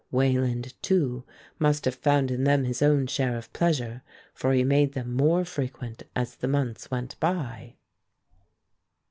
Wayland, too, must have found in them his own share of pleasure, for he made them more frequent as the months went by.